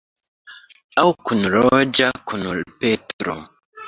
Aŭ kunloĝa kun Petro.